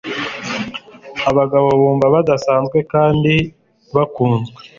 abagabo bumva badasanzwe kandi bakunzwe